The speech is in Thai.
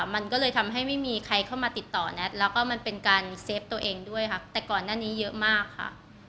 มันก็เลยทำให้ไม่มีใครเข้ามาติดต่อแน็ตแล้วก็มันเป็นการเซฟตัวเองด้วยค่ะแต่ก่อนหน้านี้เยอะมากค่ะ